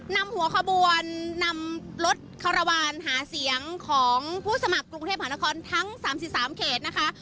นำหัวขบวนนำรถคารวาลหาเสียงของผู้สมัครกรุงเทพหานครทั้ง๓๓เขตนะคะ